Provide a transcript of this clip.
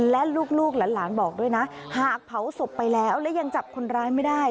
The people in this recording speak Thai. และลูกหลานบอกด้วยนะหากเผาศพไปแล้วและยังจับคนร้ายไม่ได้